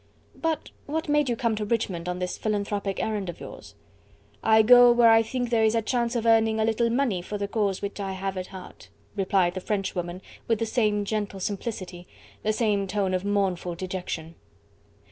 "But what made you come to Richmond on this philanthropic errand of yours?" "I go where I think there is a chance of earning a little money for the cause which I have at heart," replied the Frenchwoman with the same gentle simplicity, the same tone of mournful dejection.